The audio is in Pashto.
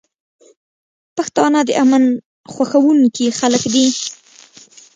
پښتانه د امن خوښونکي خلک دي.